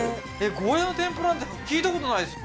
ゴーヤの天ぷらなんて聞いたことないですね